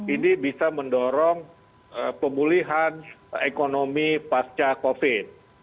ini bisa mendorong pemulihan ekonomi pasca covid